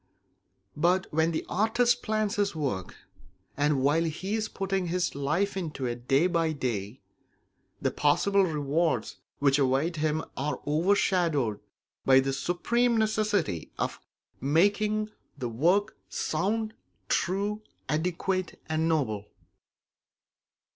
But when the artist plans his work, and while he is putting his life into it day by day, the possible rewards which await him are overshadowed by the supreme necessity of making the work sound, true, adequate, and noble.